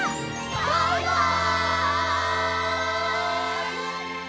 バイバイ！